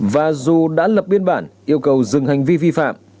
và dù đã lập biên bản yêu cầu dừng hành vi vi phạm